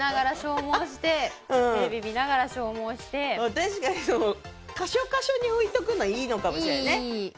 確かにその箇所箇所に置いとくのはいいのかもしれないね。